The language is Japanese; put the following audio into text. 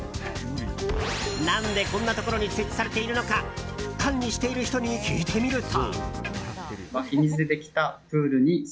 何で、こんなところに設置されているのか管理している人に聞いてみると。